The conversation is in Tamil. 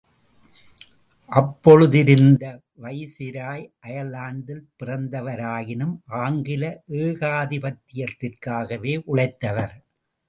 அப்பொழுதிருந்த வைசிராய் அயர்லாந்தில் பிறந்தவராயினும் ஆங்கில ஏகாதிபத்தியத்திற்காகவே உழைத்தவர்.